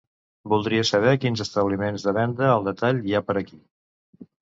Voldria saber quins establiments de venda al detall hi ha per aquí.